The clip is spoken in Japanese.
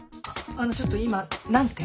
あのちょっと今何て？